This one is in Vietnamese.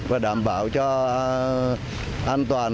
và đảm bảo cho an toàn